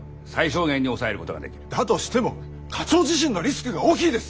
だとしても課長自身のリスクが大きいです！